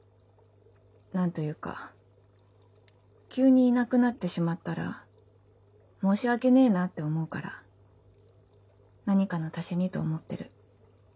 何というか急にいなくなってしまったら申し訳ねえなって思うから何かの足しにと思ってる。